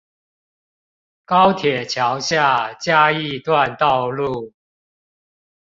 高鐵橋下嘉義段道路